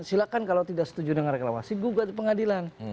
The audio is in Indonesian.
silahkan kalau tidak setuju dengan reklama wasit gugat pengadilan